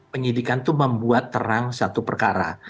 penyidikan itu membuat terang satu perkara